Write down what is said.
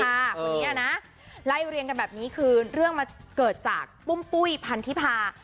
ครั้งคุณเนี้ยนะไล่เรียนแบบนี้คือเรื่องมาเกิดจากปุ้มปุ้ยพันธิพา